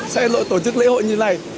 sẽ tổ chức lễ hội như này